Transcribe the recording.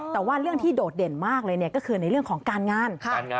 แต่ว่าเรื่องที่โดดเด่นมากเลยก็คือในเรื่องของการงาน